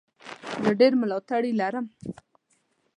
زه ډېر ملاتړي لرم.